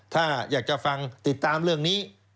ถ้าอยากจะฟังติดตามเรื่องนี้